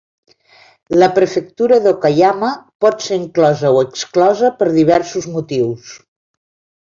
La prefectura d'Okayama pot ser inclosa o exclosa per diversos motius.